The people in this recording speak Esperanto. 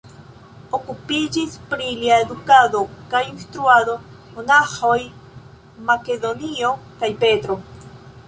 Okupiĝis pri lia edukado kaj instruado monaĥoj Makedonio kaj Petro.